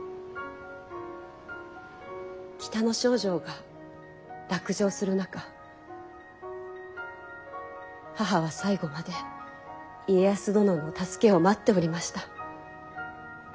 北ノ庄城が落城する中母は最後まで家康殿の助けを待っておりました。